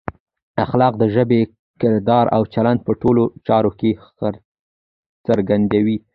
اخلاق د ژبې، کردار او چلند په ټولو چارو کې څرګندوي.